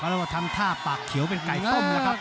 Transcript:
เรียกว่าทำท่าปากเขียวเป็นไก่ต้มแล้วครับ